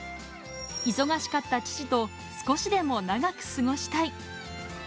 忙しかった父と、少しでも長く過ごしたい。